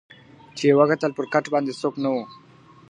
چي یې وکتل پر کټ باندي څوک نه وو .